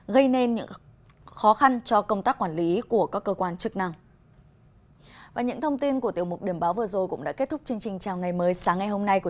gây nên những khó khăn cho công tác quản lý của các cơ quan chức năng